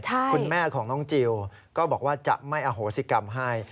คุณแม่ของน้องจิลก็บอกว่าจะไม่อโหสิกรรมให้